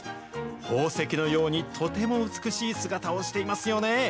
宝石のようにとても美しい姿をしていますよね。